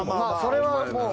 それはもう。